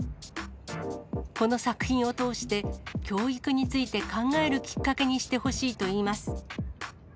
この作品を通して、教育について考えるきっかけにしてほしいといいます。